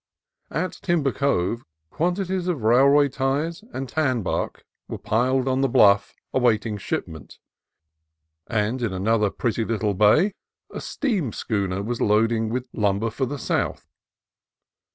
At Timber Cove quan tities of railway ties and tan bark were piled on the bluff awaiting shipment, and in another pretty little bay a steam schooner was loading with lumber for the south.